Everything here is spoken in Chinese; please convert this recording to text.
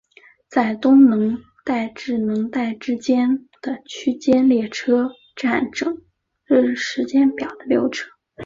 在东能代至能代之间的区间列车占整日时间表的六成。